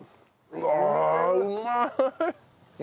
うんうまい！